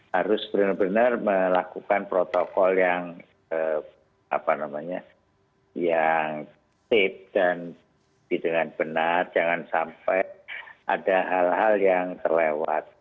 harus benar benar melakukan protokol yang tap dan dengan benar jangan sampai ada hal hal yang terlewat